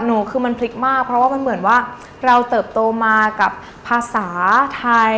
หนูเกิดที่เมืองไทยหนูเกิดที่เมืองไทย